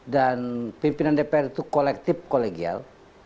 dan pimpinan dpr itu kolektif kolegial